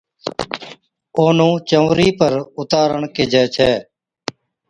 اونھُون چئونرِي پر اُتارڻ ڪيهجَي ڇَي